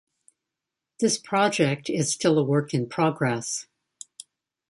This project is still a work in progress.